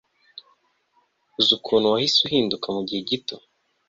uzi ukuntu wahise uhinduka mugihe gito!